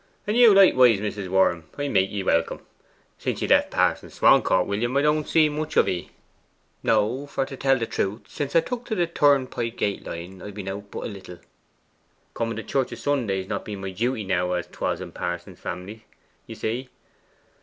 And you, likewise, Mrs. Worm. I make ye welcome. Since ye left Parson Swancourt, William, I don't see much of 'ee.' 'No, for to tell the truth, since I took to the turn pike gate line, I've been out but little, coming to church o' Sundays not being my duty now, as 'twas in a parson's family, you see.